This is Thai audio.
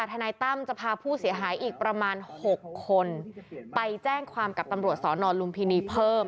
ทนายตั้มจะพาผู้เสียหายอีกประมาณ๖คนไปแจ้งความกับตำรวจสอนอนลุมพินีเพิ่ม